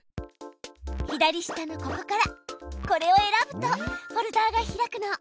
左下のここからこれを選ぶとフォルダが開くの。